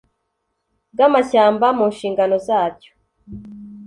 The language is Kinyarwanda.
Bw amashyamba mu nshingano zacyo